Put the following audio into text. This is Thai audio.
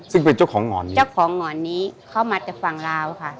ซึ่งเป็นเจ้าของหอนนี้เจ้าของหง่อนนี้เข้ามาจากฝั่งลาวค่ะ